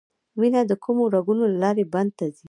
وینه د کومو رګونو له لارې بدن ته ځي